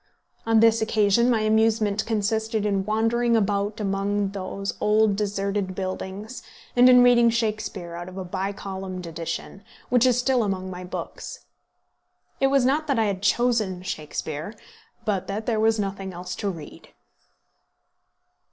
On this occasion my amusement consisted in wandering about among those old deserted buildings, and in reading Shakespeare out of a bi columned edition, which is still among my books. It was not that I had chosen Shakespeare, but that there was nothing else to read.